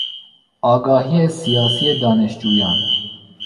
آگاهی سیاسی دانشجویان